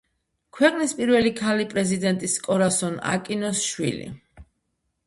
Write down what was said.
ქვეყნის პირველი ქალი პრეზიდენტის კორასონ აკინოს შვილი.